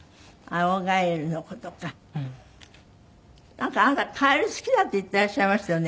なんかあなたカエル好きだって言っていらっしゃいましたよね？